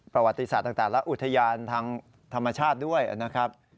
ประวัติศาสตร์ต่างและอุทยานทางธรรมชาติด้วยนะครับ